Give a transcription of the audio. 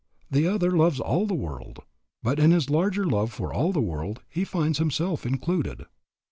The other loves all the world; but in his larger love for all the world he finds himself included.